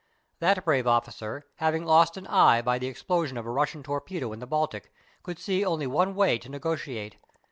That brave officer, having lost an eye by the explosion of a Russian torpedo in the Baltic, could see only one way to negotiate.